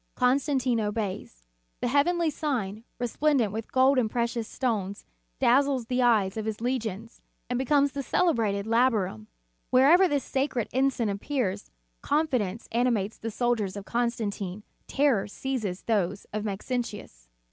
Constantine obeys. The heavenly sign, resplendent with gold and precious stones, dazzles the eyes of his legions, and becomes the celebrated Labarum. Wherever this sacred ensign appears, confidence animates the soldiers of Constantine, terror seizes those of Maxentius.